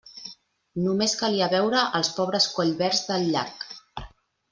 Només calia veure els pobres collverds del llac.